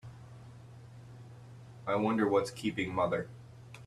I wonder what's keeping mother?